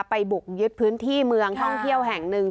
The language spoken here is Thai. บุกยึดพื้นที่เมืองท่องเที่ยวแห่งหนึ่ง